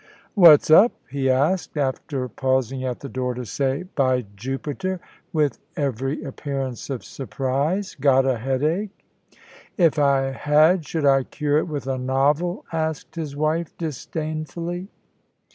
"What's up?" he asked, after pausing at the door to say "By Jupiter!" with every appearance of surprise. "Got a headache?" "If I had, should I cure it with a novel?" asked his wife, disdainfully.